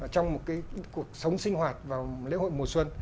trong một cuộc sống sinh hoạt vào lễ hội mùa xuân